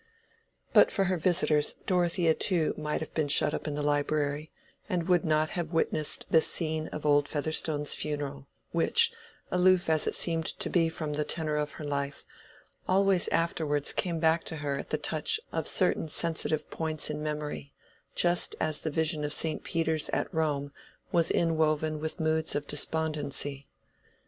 But for her visitors Dorothea too might have been shut up in the library, and would not have witnessed this scene of old Featherstone's funeral, which, aloof as it seemed to be from the tenor of her life, always afterwards came back to her at the touch of certain sensitive points in memory, just as the vision of St. Peter's at Rome was inwoven with moods of despondency.